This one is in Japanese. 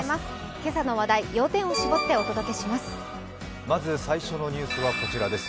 今朝の話題、要点を絞ってお届けします。